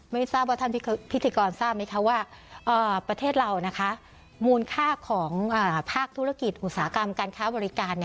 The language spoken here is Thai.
ไม่ทราบว่าท่านพิธีกรทราบไหมคะว่าประเทศเรามูลค่าของภาคธุรกิจอุตสาหกรรมการค้าบริการ